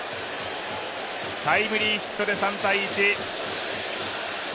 タイムリーヒットで３−１。